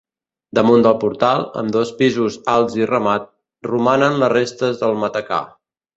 Damunt del portal -amb dos pisos alts i remat- romanen les restes del matacà.